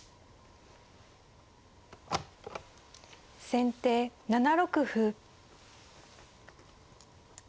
先手７六歩。